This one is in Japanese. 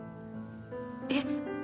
えっ？